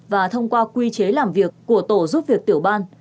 và thông qua quy chế làm việc của tổ giúp việc tiểu ban